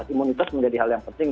imunitas menjadi hal yang penting